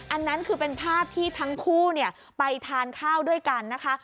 อันนั้นคือเป็นภาพที่ทั้งคู่ไปทานข้าวด้วยกันนะคะ